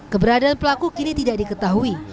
keberadaan pelaku kini tidak diketahui